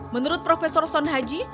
menurut prof son haji